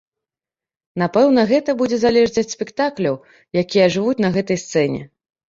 Напэўна, гэта будзе залежыць ад спектакляў, якія ажывуць на гэтай сцэне.